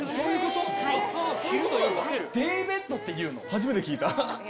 初めて聞いた。